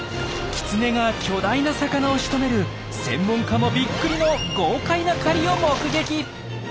キツネが巨大な魚をしとめる専門家もびっくりの豪快な狩りを目撃！